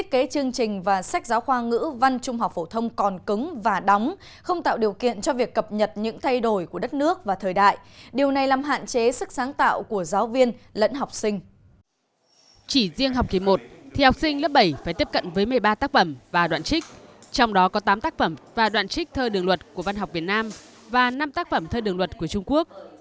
trong đó có tám tác phẩm và đoạn trích thơ đường luật của văn học việt nam và năm tác phẩm thơ đường luật của trung quốc